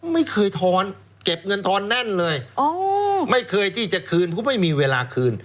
ไม่เคยทอนเก็บเงินทอนแน่นเลยไม่เคยที่จะคืนเพราะไม่มีเวลาคืน